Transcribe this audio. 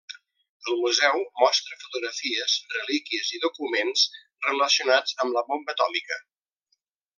El museu mostra fotografies, relíquies i documents relacionats amb la bomba atòmica.